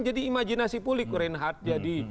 jadi imajinasi pulik reinhardt jadi